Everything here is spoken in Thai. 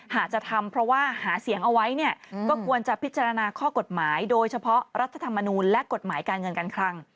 หากจะทำเพราะว่าหาเสียงเอาไว้เนี่ยก็ควรจะพิจารณาข้อกฎหมายโดยเฉพาะรัฐธรรมนูลและกฎหมายการเงินการคลัง